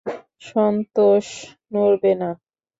Santos, নড়বে না!